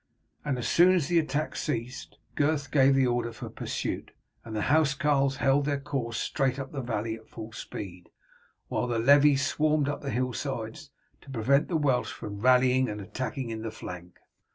As soon as the attack ceased Gurth gave the order for pursuit, and the housecarls held their course straight up the valley at full speed, while the levies swarmed up the hillsides to prevent the Welsh from rallying and attacking in flank.